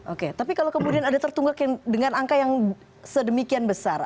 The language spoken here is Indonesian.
oke tapi kalau kemudian ada tertunggak dengan angka yang sedemikian besar